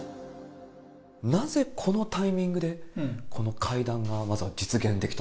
なぜこのタイミングで、この会談が、まずは実現できた？